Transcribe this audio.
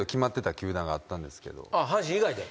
阪神以外で？